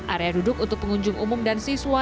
area duduk untuk pengunjung umum dan siswa